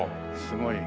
すごい。